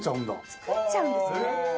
作れちゃうんですね。